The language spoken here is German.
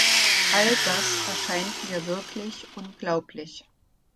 All das erscheint mir wirklich unglaublich!